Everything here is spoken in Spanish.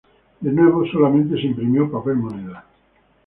De nuevo, solamente se imprimió papel moneda.